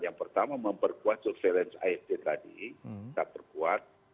yang pertama memperkuat surveillance ivv tadi tidak terkuat